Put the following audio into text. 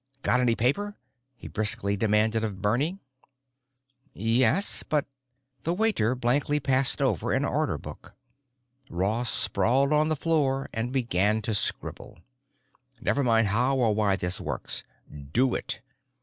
"Got any paper?" he briskly demanded of Bernie. "Yes, but——?" The waiter blankly passed over an order book. Ross sprawled on the floor and began to scribble: "Never mind how or why this works. Do it.